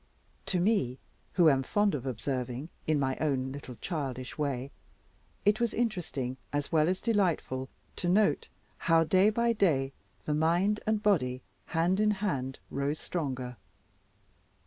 To me, who am fond of observing, in my own little childish way, it was interesting as well as delightful to note how, day by day, the mind and body, hand in hand, rose stronger.